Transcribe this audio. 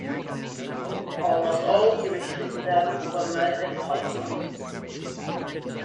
Almost all Jewish citizens were murdered in the Holocaust.